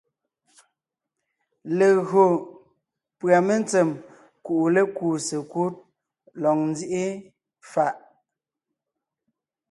Legÿo pʉ́a mentsèm kuʼu lékúu sekúd lɔg nzíʼi fàʼ,